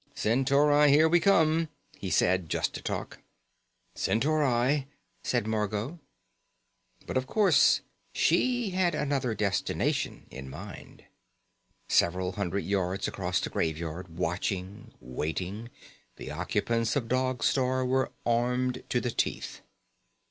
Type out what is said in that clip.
"Centauri here we come," he said, just to talk. "Centauri," said Margot. But of course, she had another destination in mind. Several hundred yards across the Graveyard, watching, waiting, the occupants of Dog Star were armed to the teeth.